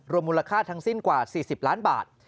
มูลค่าทั้งสิ้นกว่า๔๐ล้านบาท